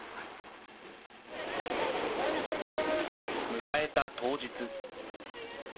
迎えた当日。